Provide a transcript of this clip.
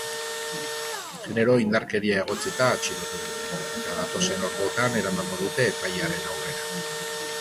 Genero-indarkeria egotzita atxilotu dute, eta datozen orduetan eramango dute epailearen aurrera.